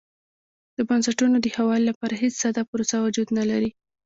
د بنسټونو د ښه والي لپاره هېڅ ساده پروسه وجود نه لري.